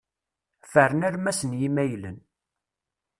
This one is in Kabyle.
Fern armas n yimaylen.